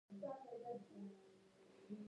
څنګه کولی شم د ماشومانو لپاره د جنت محلات بیان کړم